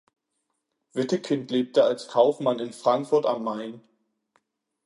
Wittekind lebte als Kaufmann in Frankfurt am Main.